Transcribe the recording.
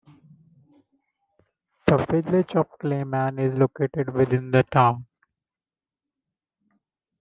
The Village of Clyman is located within the town.